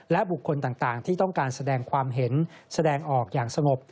และบุคคลต่างที่ต้องการแสดงความเห็นแสดงออกอย่างสงบ